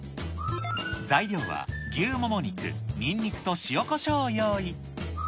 材料は牛もも肉、ニンニクと塩コショウを用意。